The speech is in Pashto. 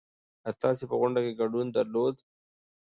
ايا تاسې په غونډه کې ګډون درلود؟